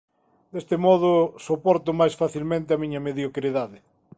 Deste modo, soporto máis facilmente a miña mediocridade.